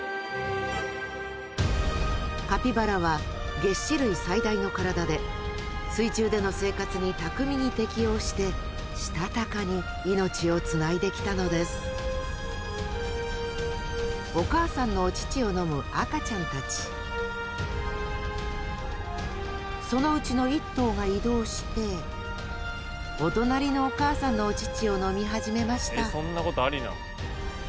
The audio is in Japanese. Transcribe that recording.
カピバラは齧歯類最大の体で水中での生活にたくみに適応してしたたかに命をつないできたのですお母さんのお乳を飲む赤ちゃんたちそのうちの一頭が移動してお隣のお母さんのお乳を飲み始めました